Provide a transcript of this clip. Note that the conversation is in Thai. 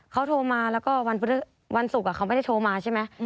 เขาโทรมาแล้วก็วันศุกร์เขาไม่ได้โทรมาใช่ไหม